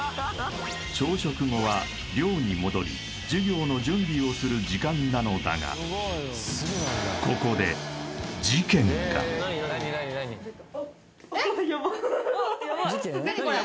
朝食後は寮に戻り授業の準備をする時間なのだがえっ何これ？